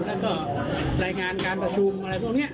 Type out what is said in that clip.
แล้วก็รายงานการประชุมอะไรพวกนี้